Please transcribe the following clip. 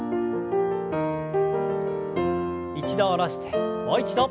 一度下ろしてもう一度。